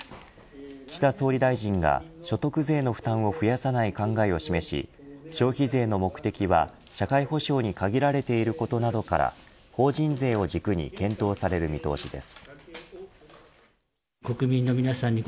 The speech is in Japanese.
岸田総理大臣が所得税の負担を増やさない考えを示し消費税の目的は社会保障に限られていることなどから法人税を軸に検討される見通しです。